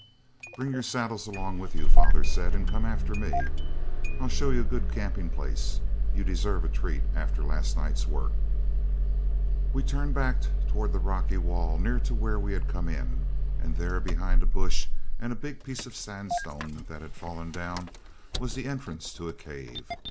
'Bring your saddles along with you,' father said, 'and come after me. I'll show you a good camping place. You deserve a treat after last night's work.' We turned back towards the rocky wall, near to where we had come in, and there, behind a bush and a big piece of sandstone that had fallen down, was the entrance to a cave.